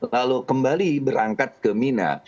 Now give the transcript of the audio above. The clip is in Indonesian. lalu kembali berangkat ke mina